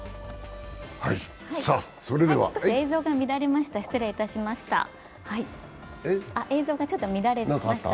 さっき映像が乱れました。